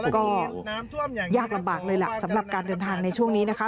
ก็ยากลำบากเลยล่ะสำหรับการเดินทางในช่วงนี้นะคะ